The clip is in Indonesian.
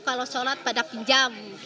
kalau sholat pada pinjam